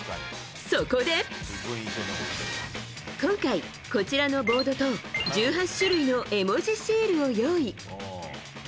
そこで、今回こちらのボードと１８種類の絵文字シールを用意。